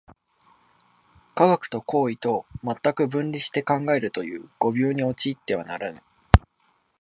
科学と行為とを全く分離して考えるという誤謬に陥ってはならぬ。